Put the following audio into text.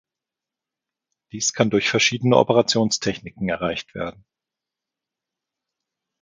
Dies kann durch verschiedene Operationstechniken erreicht werden.